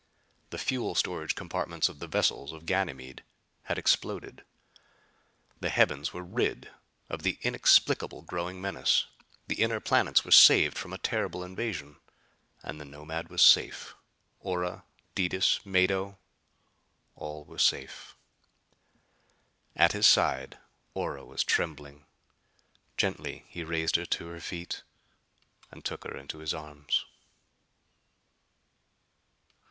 The fuel storage compartments of the vessels of Ganymede had exploded! The heavens were rid of the inexplicable growing menace; the inner planets were saved from a terrible invasion. And the Nomad was safe. Ora, Detis, Mado all were safe! At his side Ora was trembling. Gently he raised her to her feet, and took her into his arms.